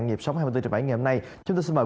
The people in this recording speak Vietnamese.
ngày hôm nay chúng tôi xin mời